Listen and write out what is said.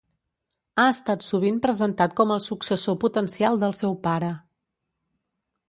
Ha estat sovint presentat com el successor potencial del seu pare.